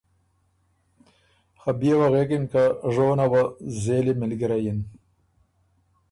خه بيې وه غوېکِن که ژونه وه زېلی مِلګِرئ یِن،